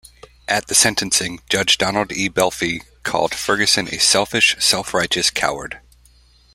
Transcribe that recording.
At the sentencing, Judge Donald E. Belfi called Ferguson a "selfish, self-righteous coward".